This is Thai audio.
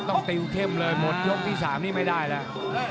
ติวเข้มเลยหมดยกที่๓นี่ไม่ได้แล้ว